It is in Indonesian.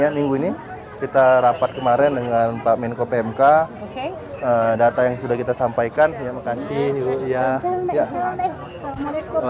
minggu ini kita rapat kemarin dengan pak menko pmk data yang sudah kita sampaikan ya makasih